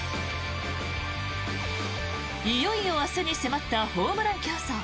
いよいよ明日に迫ったホームラン競争。